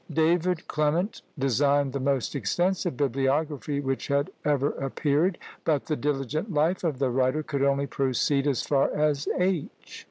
David Clement designed the most extensive bibliography which had ever appeared; but the diligent life of the writer could only proceed as far as H.